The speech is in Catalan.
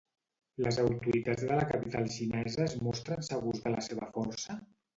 Les autoritats de la capital xinesa es mostren segurs de la seva força?